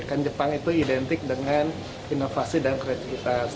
kan jepang itu identik dengan inovasi dan kreativitas